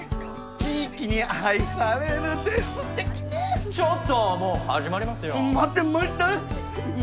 地域に愛されるってステキねちょっともう始まりますよ待ってました！